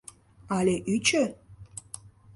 Але ӱчӧ?